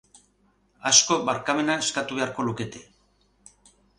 Askok barkamena eskatu beharko lukete.